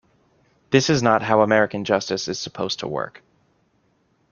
This is not how American justice is supposed to work.